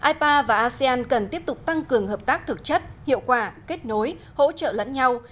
ipa và asean cần tiếp tục tăng cường hợp tác thực chất hiệu quả kết nối hỗ trợ lẫn nhau